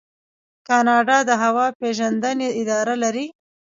کاناډا د هوا پیژندنې اداره لري.